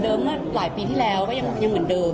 เมื่อหลายปีที่แล้วก็ยังเหมือนเดิม